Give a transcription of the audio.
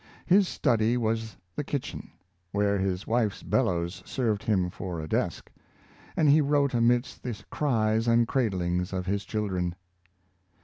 His study was the kitchen, where his wife's bellows served him for a desk; and he wrote amidst the cries and cradlings of his children.